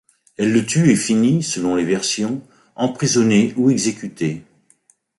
Elle le tue et finit, selon les versions, emprisonnée ou exécutée.